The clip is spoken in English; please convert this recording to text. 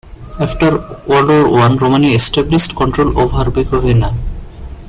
After World War One, Romania established control over Bukovina.